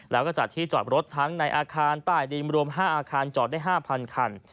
แล้วก็จัดที่จอดรถทั้งในอาคารใต้ดินรวม๕อาคารจอดได้๕๐๐คัน